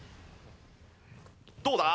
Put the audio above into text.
どうだ？